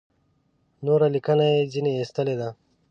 نوره لیکنه یې ځنې ایستلې ده.